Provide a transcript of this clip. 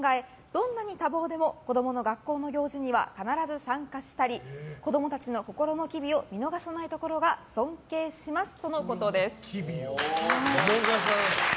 どんなに多忙でも子供の学校の行事には必ず参加したり子供たちの心の機微を見逃さないところが尊敬しますとのことです。